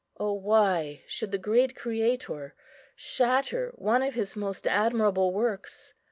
O why should the great Creator shatter one of His most admirable works!